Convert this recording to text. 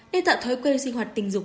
nên tạo thói quen sinh hoạt tình dục